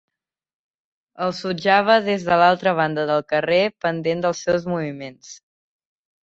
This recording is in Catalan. El sotjava des de l'altra banda del carrer, pendent dels seus moviments.